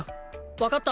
わかった。